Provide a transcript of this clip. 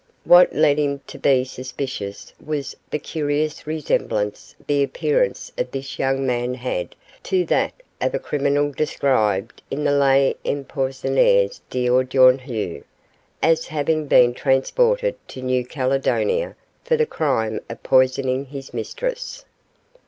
What led him to be suspicious was the curious resemblance the appearance of this young man had to that of a criminal described in the 'Les Empoisonneurs d'Aujourd'hui' as having been transported to New Caledonia for the crime of poisoning his mistress.